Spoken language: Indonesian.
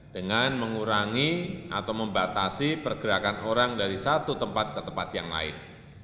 dengan mengurangi atau membatasi pergerakan orang dari satu tempat ke tempat yang lain